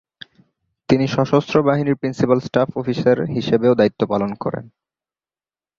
তিনি সশস্ত্র বাহিনীর প্রিন্সিপাল স্টাফ অফিসার হিসেবেও দায়িত্ব পালন করেন।